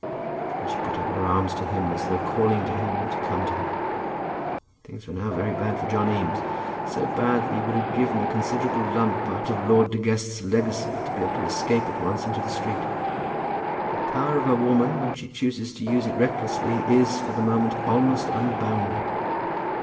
And she put out her arms to him, as though calling to him to come to her. Things were now very bad with John Eames, so bad that he would have given a considerable lump out of Lord De Guest's legacy to be able to escape at once into the street. The power of a woman, when she chooses to use it recklessly, is, for the moment, almost unbounded.